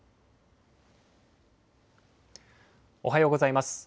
おはようございます。